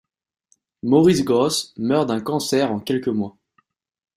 Maurice Gross meurt d'un cancer en quelques mois.